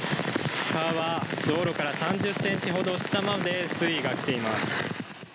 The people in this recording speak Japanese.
川は道路から３０センチほど下まで水位が来ています。